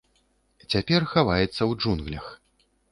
Цяпер хаваецца ў джунглях.